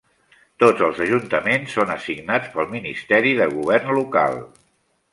Tots els ajuntaments són assignats pel Ministeri de Govern Local.